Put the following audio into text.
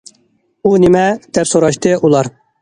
- ئۇ نېمە؟- دەپ سوراشتى ئۇلار.